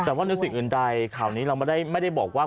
แต่ว่าเนื้อสิ่งอื่นใดข่าวนี้เราไม่ได้บอกว่า